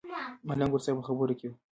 ملنګ ورسره په خبرو کې و.